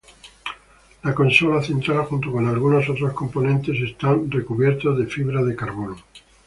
La consola central, junto con algunos otros componentes están recubiertos de fibra de carbono.